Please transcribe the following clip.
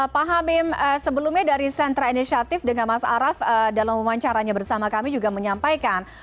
pak hamim sebelumnya dari sentra inisiatif dengan mas araf dalam wawancaranya bersama kami juga menyampaikan